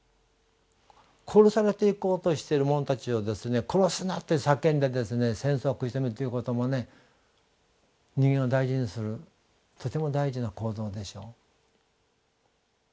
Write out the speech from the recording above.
殺されていこうとしてる者たちを「殺すな！」って叫んで戦争を食い止めるということも人間を大事にするとても大事な行動でしょう。